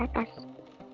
bukan laka laka gitu lho pak